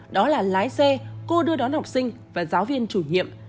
đó là lái xe cô đưa đón học sinh và giáo viên chủ nhiệm